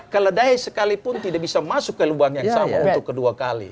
keledai sekalipun tidak bisa masuk ke lubang yang sama untuk kedua kali